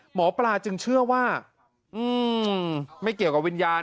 หมอปลาจึงเชื่อว่าไม่เกี่ยวกับวิญญาณ